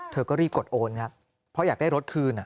เธอก็รีบกดโอนครับเพราะอยากได้รถคืน